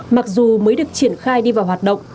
mặc dù mới được triển khai đi vào hoạt động